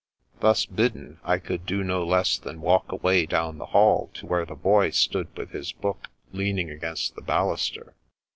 Thus bidden, I could do no less than walk away down the hall to where the Boy stood with his book, leaning against the baluster.